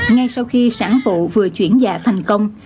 ngay sau khi sản phụ vừa chuyển dạ thành công